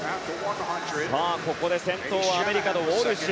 ここで先頭はアメリカのウォルシュ。